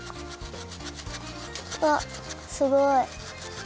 うわっすごい。